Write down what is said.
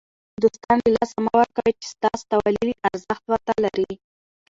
دوستان له لاسه مه ورکوئ! چي ستا سته والى ارزښت ور ته لري.